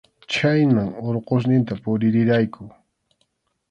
Chhaynam Urqusninta puririrqayku.